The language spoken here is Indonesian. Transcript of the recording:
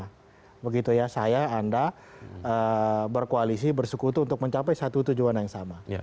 nah begitu ya saya anda berkoalisi bersekutu untuk mencapai satu tujuan yang sama